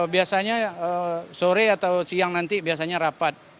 biasanya sore atau siang nanti biasanya rapat